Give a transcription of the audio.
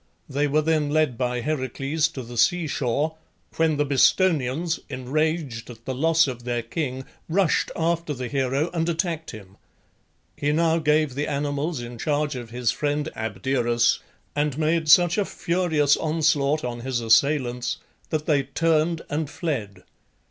They were then led by Heracles to the sea shore, when the Bistonians, enraged at the loss of their king, rushed after the hero and attacked him. He now gave the animals in charge of his friend Abderus, and made such a furious onslaught on his assailants that they turned and fled.